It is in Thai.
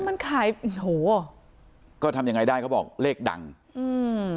มันขายโอ้โหเหรอก็ทำยังไงได้เขาบอกเลขดังอืม